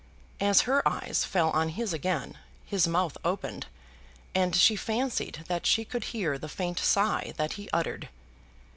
As her eyes fell on his again, his mouth opened, and she fancied that she could hear the faint sigh that he uttered.